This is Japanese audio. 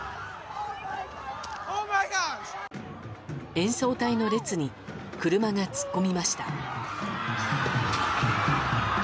演奏隊の列に車が突っ込みました。